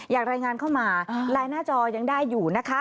อยากรายงานเข้ามาไลน์หน้าจอยังได้อยู่นะคะ